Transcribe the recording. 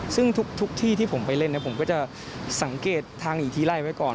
ซึ่งทุกที่ที่ผมไปเล่นผมก็จะสังเกตทางหนีทีไล่ไว้ก่อน